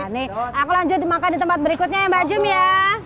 nih aku lanjut makan di tempat berikutnya ya mbak jumy ya